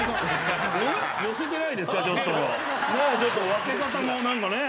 ちょっと分け方も何かね。